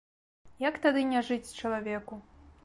Як тады не жыць чалавеку.